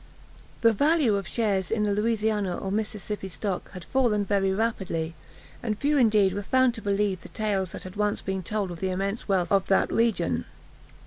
The value of shares in the Louisiana, or Mississippi stock, had fallen very rapidly, and few indeed were found to believe the tales that had once been told of the immense wealth of that region.